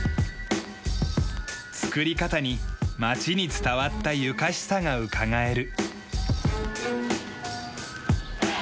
作り方に町に伝わったゆかしさがうかがえる。